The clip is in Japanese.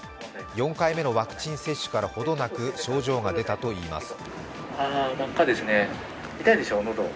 ４回目のワクチン接種からほどなく症状が出たといいます。